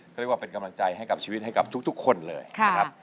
เขาเรียกว่าเป็นกำลังใจให้กับชีวิตให้กับทุกคนเลยนะครับ